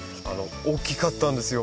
大きかったんですよ。